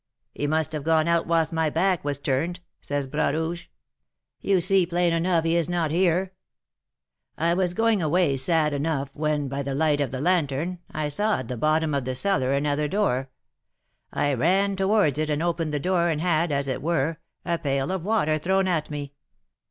'He must have gone out whilst my back was turned,' says Bras Rouge; 'you see plain enough he is not here.' I was going away sad enough, when, by the light of the lantern, I saw at the bottom of the cellar another door. I ran towards it and opened the door, and had, as it were, a pail of water thrown at me.